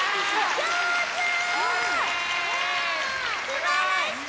すばらしい！